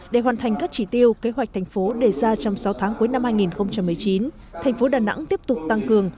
để hoàn thành các chỉ tiêu kế hoạch thành phố đề ra trong sáu tháng cuối năm hai nghìn một mươi chín thành phố đà nẵng tiếp tục tăng cường